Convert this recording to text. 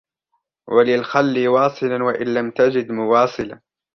وَلِلْخَلِّ وَاصِلًا وَإِنْ لَمْ تَجِدْ مُوَاصِلًا